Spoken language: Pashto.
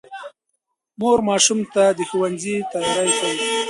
مور ماشوم ته د ښوونځي تیاری کوي